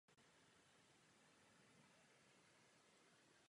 Jako náhradník za něj byl ustanoven Josef Horák.